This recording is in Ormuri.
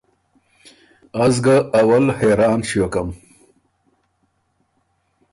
از ګه اول حېران ݭیوکم۔